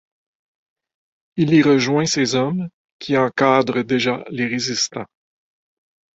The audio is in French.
Il y rejoint ses hommes qui encadrent déjà les résistants.